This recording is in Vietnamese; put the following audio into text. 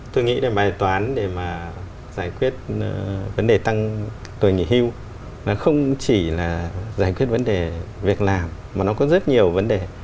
tôi nghĩ là bài toán để mà giải quyết vấn đề tăng tuổi nghỉ hưu nó không chỉ là giải quyết vấn đề việc làm mà nó có rất nhiều vấn đề